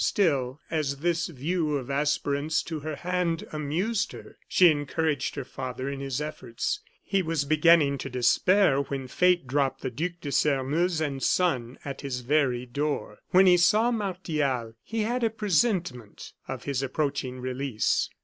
Still, as this view of aspirants to her hand amused her, she encouraged her father in his efforts. He was beginning to despair, when fate dropped the Duc de Sairmeuse and son at his very door. When he saw Martial, he had a presentiment of his approaching release.